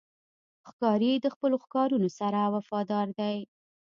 ښکاري د خپلو ښکارونو سره وفادار دی.